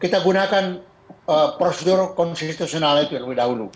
kita gunakan prosedur konstitusional itu yang udah dulu